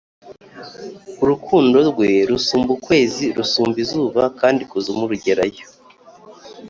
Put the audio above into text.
Urukundo rwe rusumba ukwezi rusumba izuba kandi ikuzimu rugerayo